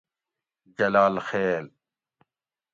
جلال خیل